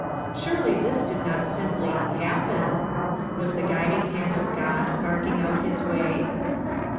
Surely this did not simply "happen." Was the guiding hand of (Jod marking out his way?